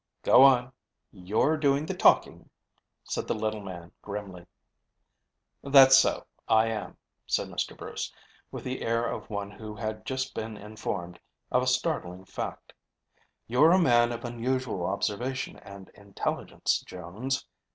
"Go on. You're doing the talking," said the little man grimly. "That's so, I am," said Mr. Bruce, with the air of one who had just been informed of a startling fact. "You're a man of unusual observation and intelligence, Jones.